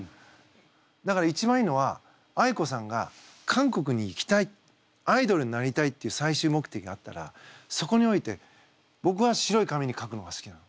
だから一番いいのはあいこさんが韓国に行きたいアイドルになりたいっていう最終目的があったらそこにおいて僕は白い紙に書くのが好きなの。